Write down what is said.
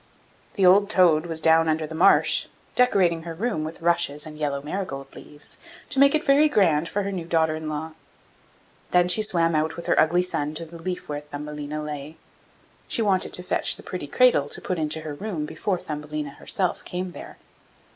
The old toad was down under the marsh, decorating her room with rushes and yellow marigold leaves, to make it very grand for her new daughter in law; then she swam out with her ugly son to the leaf where Thumbelina lay. She wanted to fetch the pretty cradle to put it into her room before Thumbelina herself came there.